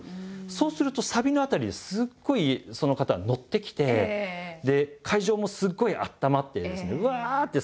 そうするとサビの辺りですっごいその方のってきてで会場もすっごいあったまってですねうわ！って